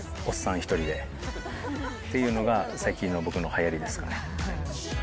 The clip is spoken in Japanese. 一人で、っていうのが、最近の僕のはやりですかね。